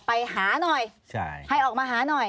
ปีอาทิตย์ห้ามีสปีอาทิตย์ห้ามีส